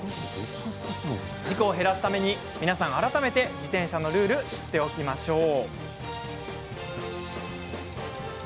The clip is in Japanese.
事故を減らすために皆さん、改めて自転車のルール知っておきましょう。